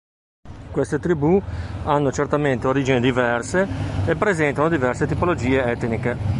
Queste tribù hanno certamente origini diverse e presentano diverse tipologie etniche.